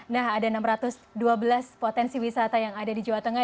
nah ada enam ratus dua belas potensi wisata yang ada di jawa tengah